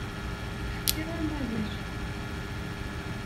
Fkiɣ-am awal.